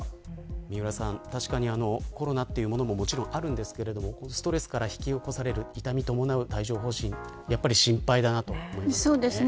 三浦さん、確かにコロナというものももちろんありますがストレスから引き起こされる痛みを伴う帯状疱疹心配だなと思いますね。